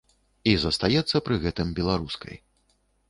І застаецца пры гэтым беларускай.